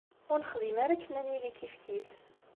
Ur nexdim ara akken ad nili kifkif.